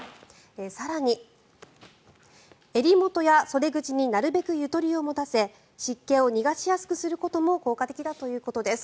更に、襟元や袖口になるべくゆとりを持たせ湿気を逃がしやすくすることも効果的だということです。